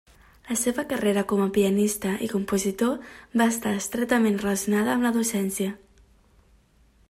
La seva carrera com a pianista i compositor va estar estretament relacionada amb la docència.